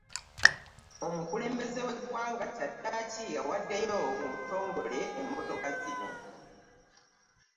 Omukulembeze w'eggwanga kyaddaaki awaddeyo mu butongole emmotoka zino.